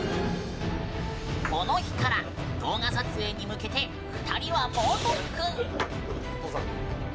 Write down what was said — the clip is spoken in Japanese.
この日から動画撮影に向けて２人は猛特訓！